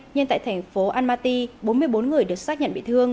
nhưng tại thành phố almaty bốn mươi bốn người được xác nhận bị thương